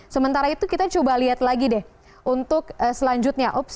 sementara itu kita coba lihat lagi deh untuk selanjutnya